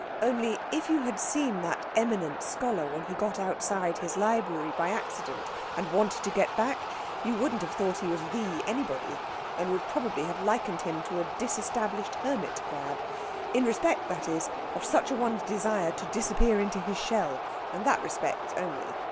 Only, if you had seen that eminent scholar when he got outside his library by accident and wanted to get back, you wouldn't have thought he was the anybody, and would probably have likened him to a disestablished hermit crab in respect, that is, of such a one's desire to disappear into his shell, and that respect only.